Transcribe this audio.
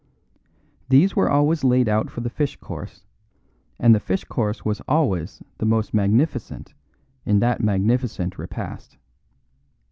These were always laid out for the fish course, and the fish course was always the most magnificent in that magnificent repast.